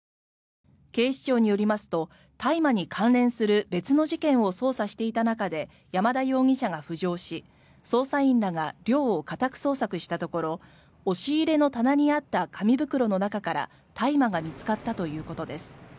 警視庁によりますと大麻に関連する別の事件を捜査していた中で山田容疑者が浮上し捜査員らが寮を家宅捜索したところ押し入れの棚にあった紙袋の中から大麻が見つかったということです。